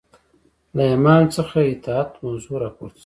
له امام څخه اطاعت موضوع راپورته شوه